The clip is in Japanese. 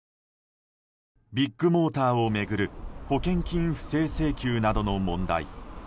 ビッグモーターを巡る保険金不正請求などの問題。